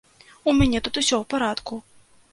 У мяне тут усё ў парадку.